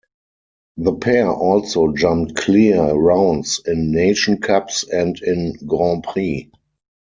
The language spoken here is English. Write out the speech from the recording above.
The pair also jumped clear rounds in Nation Cups and in Grands Prix.